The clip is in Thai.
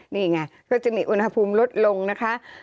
นี่ไงก็จะมีอุณหภูมิลดลงนะคะ